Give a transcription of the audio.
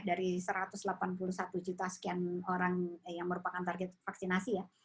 dari satu ratus delapan puluh satu juta sekian orang yang merupakan target vaksinasi ya